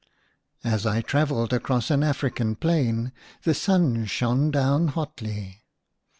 S I travelled across an African plain the sun shone down hotly.